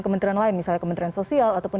kementerian lain misalnya kementerian sosial ataupun